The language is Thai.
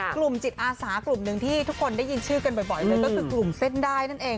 กลุ่มจิตอาสากลุ่มหนึ่งที่ทุกคนได้ยินชื่อกันบ่อยเลยก็คือกลุ่มเส้นได้นั่นเอง